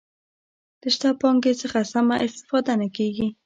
له شته پانګې څخه سمه استفاده نه کیږي.